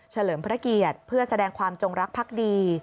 เลิมพระเกียรติเพื่อแสดงความจงรักภักดี